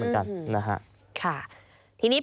ได้เกี่ยวกัน